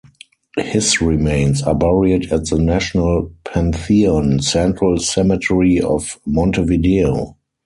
His remains are buried at the National Pantheon, Central Cemetery of Montevideo.